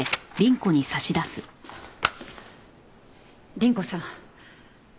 倫子さん。